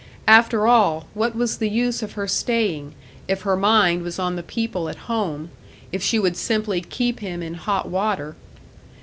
After all, what was the use of her staying, if her mind was on the people at home, if she would simply keep him in hot water?